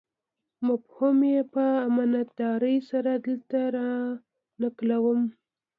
مفهوم یې په امانتدارۍ سره دلته رانقلوم.